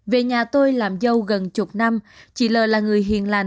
về nhà tôi làm dâu gần chục năm chị l là người hiền lành